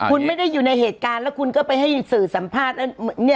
คุณไม่ได้อยู่ในเหตุการณ์แล้วคุณก็ไปให้สื่อสัมภาษณ์